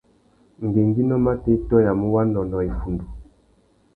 Ngüéngüinô matê i tôyamú wanônōh iffundu.